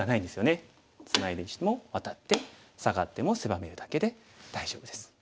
ツナいできてもワタってサガっても狭めるだけで大丈夫です。